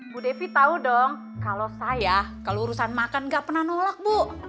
bu devi tahu dong kalau saya kalau urusan makan gak pernah nolak bu